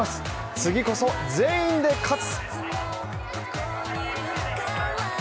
次こそ、全員で勝つ！